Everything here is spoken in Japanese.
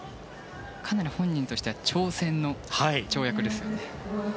かなり、本人としては挑戦の跳躍ですよね。